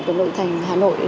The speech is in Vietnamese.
của nội thành hà nội